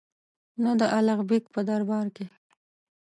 نه د الغ بېګ په دربار کې.